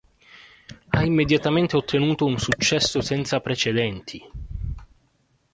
Ha immediatamente ottenuto un successo senza precedenti.